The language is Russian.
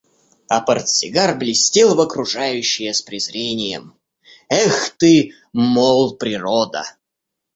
А портсигар блестел в окружающее с презрением: – Эх, ты, мол, природа!